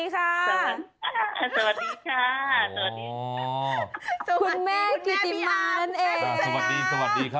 คุณแม่กิริมเมินเอง